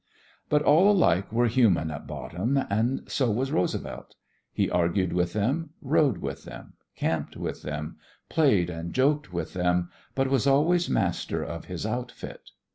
But all alike were human at bottom and so was Roosevelt. He argued with them, rode with them, camped with them, played and joked with them, but was always master of his outfit.